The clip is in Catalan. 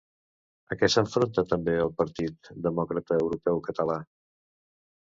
A què s'enfronta també el Partit Demòcrata Europeu Català?